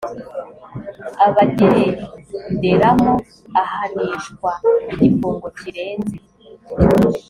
abagenderamo ahanishwa igifungo kirenze